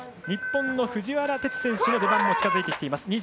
日本の藤原哲選手の出番が近づいてきています。